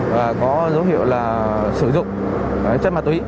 và có dấu hiệu là sử dụng chất ma túy